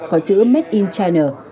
có chữ made in china